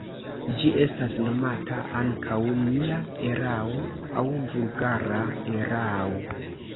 Ĝi estas nomata ankaŭ “nia erao” aŭ "vulgara erao”.